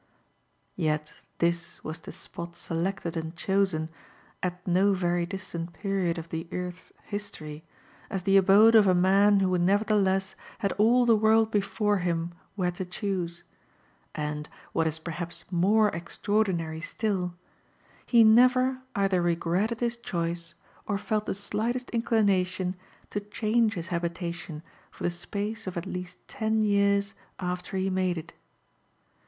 Yet this was the spot selected and chosen, at no very distant period f of the earth's history, as the abode of a man who nevertheless had all ■ the world before him where to choose ; and, what is perhaps more ex traordinary stHI, be never either regretted his choice, or felt the slightest inclination to ch^^ his habitation for the space of at least ten years after he made it.